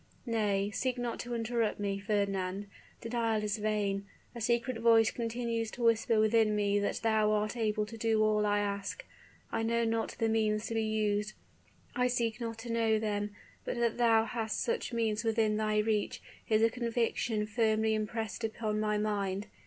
Nay, seek not to interrupt me, Fernand, denial is vain! A secret voice continues to whisper within me that thou art able to do all I ask; I know not the means to be used I seek not to know them; but that thou hast such means within thy reach, is a conviction firmly impressed upon my mind.